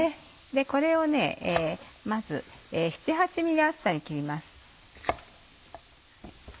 これをまず７８ｍｍ厚さに切ります。